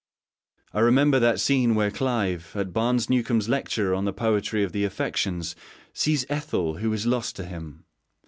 I remember that scene where Clive, at Barnes Newcome's Lecture on the Poetry of the Affections, sees Ethel who is lost to him.